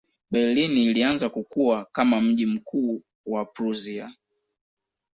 Berlin ilianza kukua kama mji mkuu wa Prussia.